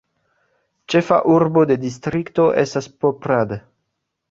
Ĉefa urbo de distrikto estas Poprad.